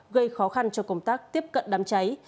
gây khó khăn cho công tác tiếp cận đám cháy